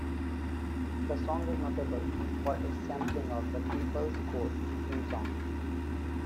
The song is notable for its sampling of "The People's Court" theme song.